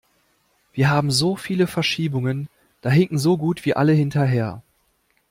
Wir haben so viele Verschiebungen, da hinken so gut wie alle hinterher.